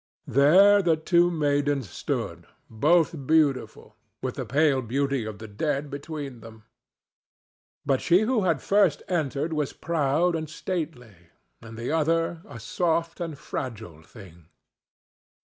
There the two maidens stood, both beautiful, with the pale beauty of the dead between them. But she who had first entered was proud and stately, and the other a soft and fragile thing.